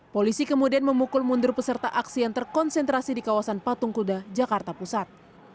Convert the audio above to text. polisi kemudian memukul mundur peserta aksi yang terkonsentrasi di kawasan patung kuda jakarta pusat